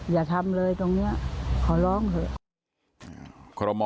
อย่าทำเลยตรงนี้ขอร้องเถอะ